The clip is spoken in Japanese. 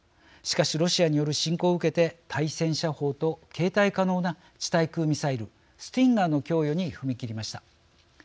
しかしロシアによる侵攻を受けて対戦車砲と携帯可能な地対空ミサイルスティンガーの供与に踏み切りました。